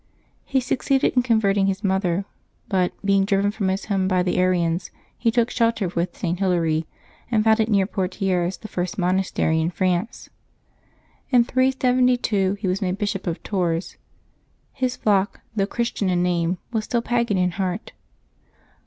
He succeeded in converting his mother ; but, being driven from his home by the Arians, he took shelter with St. Hilary, and founded near Poitiers the first monastery in France. In 372 he was made Bishop of Tours. His flock, though Christian in name, was still pagan in heart.